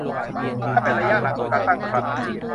ถ้าเป็นระยะหลังของการตั้งครรภ์